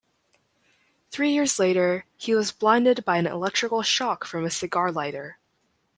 Three years later, he was blinded by an electrical shock from a cigar lighter.